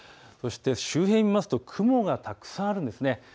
そして周辺を見ますと雲がたくさんあるんです。